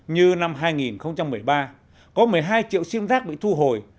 như năm hai nghìn một mươi ba có một mươi hai triệu sim rác bị thu hồi